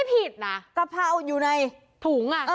ผิดเหรอกระเภาอยู่ในถุงอ่ะ